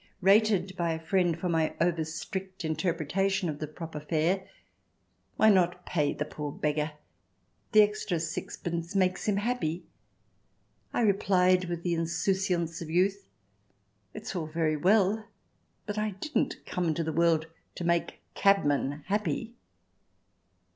Rated by a friend for my over strict inter pretation of the proper fare —" Why not pay the poor beggar? The extra sixpence makes him happy" — I replied, with the insouciance of youth, " It's all very well, but I didn't come into the world to make cabmen happy